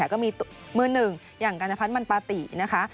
ก็มีมือหนึ่งอย่างกัญพัฒนมันปาตินะคะ